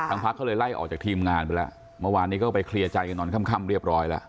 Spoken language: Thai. พักเขาเลยไล่ออกจากทีมงานไปแล้วเมื่อวานนี้ก็ไปเคลียร์ใจกันตอนค่ำเรียบร้อยแล้ว